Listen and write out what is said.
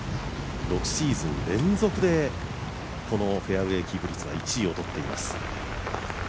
６シーズン連続でフェアウエーキープ率１位をとっています。